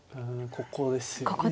ここですね。